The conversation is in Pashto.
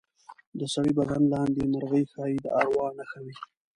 د سړي بدن لاندې مرغۍ ښایي د اروا نښه وي.